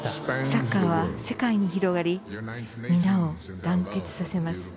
サッカーは世界に広がり皆を団結させます。